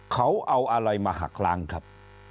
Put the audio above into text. เขาเอาอะไรมาหักล้างครับ